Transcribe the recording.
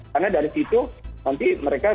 karena dari situ nanti mereka